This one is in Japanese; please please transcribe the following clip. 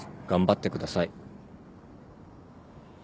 頑張ってください。